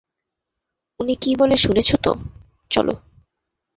উনি কী বলে শুনেছ তো, চলো।